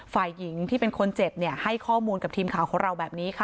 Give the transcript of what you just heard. ฝ่ายหญิงที่เป็นคนเจ็บเนี่ยให้ข้อมูลกับทีมข่าวของเราแบบนี้ค่ะ